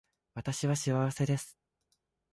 私は幸せです